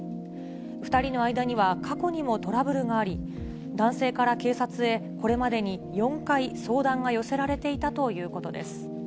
２人の間には過去にもトラブルがあり、男性から警察へ、これまでに４回相談が寄せられていたということです。